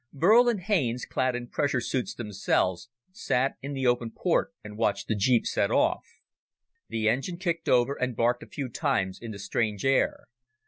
Burl and Haines, clad in pressure suits themselves, sat in the open port and watched the jeep set off. The engine kicked over and barked a few times in the strange air.